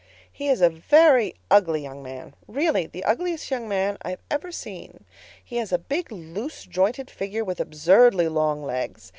"He is a very ugly young man—really, the ugliest young man I've ever seen. He has a big, loose jointed figure with absurdly long legs.